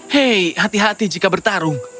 hei hati hati jika bertarung